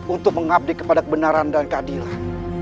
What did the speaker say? untuk mengabdi kepada kebenaran dan keadilan